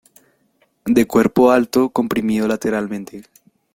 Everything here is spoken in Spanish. De cuerpo alto comprimido lateralmente.